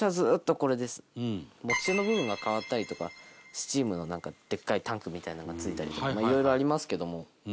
持ち手の部分が変わったりとかスチームの、なんかでっかいタンクみたいなのが付いたりとかいろいろありますけども。